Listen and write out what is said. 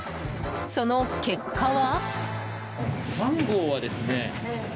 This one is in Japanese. その結果は。